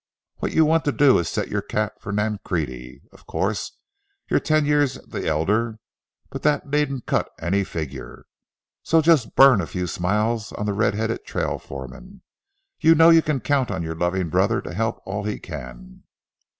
What you want to do is to set your cap for Nancrede. Of course, you're ten years the elder, but that needn't cut any figure. So just burn a few smiles on the red headed trail foreman! You know you can count on your loving brother to help all he can."